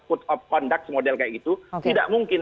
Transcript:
put up pandak model kayak itu tidak mungkin